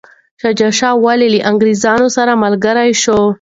شاه شجاع ولي له انګریزانو سره ملګری شو؟